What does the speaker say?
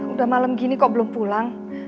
udah malam gini kok belum pulang